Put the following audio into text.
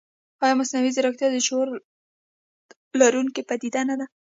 ایا مصنوعي ځیرکتیا د شعور لرونکې پدیده نه ده؟